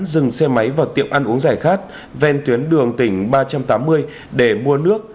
dừng xe máy vào tiệm ăn uống giải khát ven tuyến đường tỉnh ba trăm tám mươi để mua nước